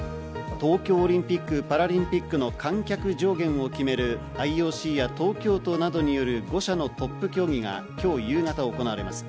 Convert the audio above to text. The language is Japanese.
東京オリンピック・パラリンピックの観客上限を決めるＩＯＣや東京都などによる５者のトップ協議が今日夕方、行われます。